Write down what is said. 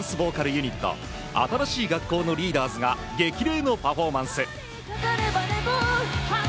ユニット新しい学校のリーダーズが激励のパフォーマンス。